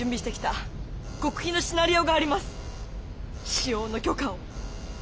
使用の許可を。